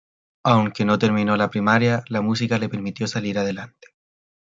Aunque no terminó la Primaria, la música le permitió salir adelante.